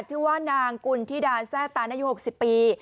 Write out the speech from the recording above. ชื่อว่านางกุณฑิดาแซ่ตานอายุ๖๐ปี